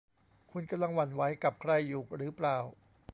คุณกำลังหวั่นไหวกับใครอยู่หรือเปล่า